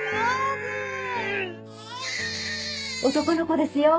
男の子ですよ